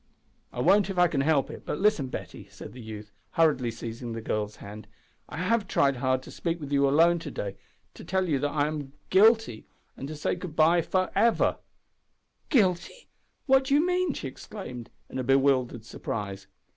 "I won't if I can help it. But listen, Betty," said the youth, hurriedly seizing the girl's hand. "I have tried hard to speak with you alone to day, to tell you that I am guilty, and to say good bye for ever." "Guilty! what do you mean?" she exclaimed in bewildered surprise.